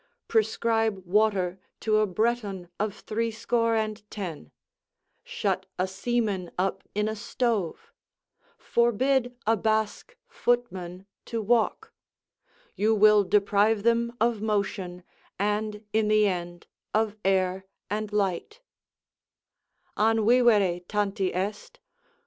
Prescribe water to a Breton of threescore and ten; shut a seaman up in a stove; forbid a Basque footman to walk: you will deprive them of motion, and in the end of air and light: "An vivere tanti est?